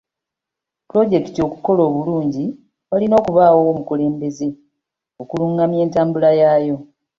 Pulojekiti okukola obulungi walina okubaawo omukulembeze okulungamya entambula yaayo.